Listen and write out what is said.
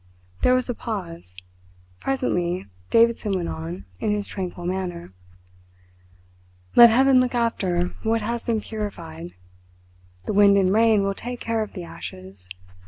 There was a pause. Presently Davidson went on, in his tranquil manner: "Let Heaven look after what has been purified. The wind and rain will take care of the ashes.